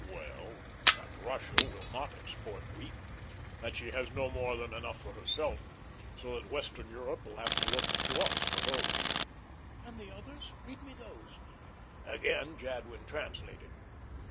"Well, that Russia will not export wheat, that she has no more than enough for herself, so that Western Europe will have to look to us for her wheat." "And the others? Read those to me." Again Jadwin translated.